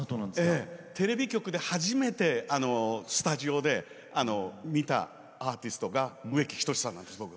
テレビ局で初めてスタジオで見たアーティストが植木等さんなんです、僕。